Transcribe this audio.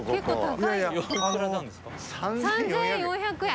３４００円。